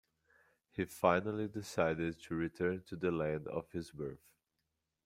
He finally decided to return to the land of his birth.